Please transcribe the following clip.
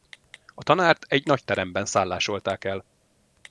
A tanárt egy nagyteremben szállásolták el.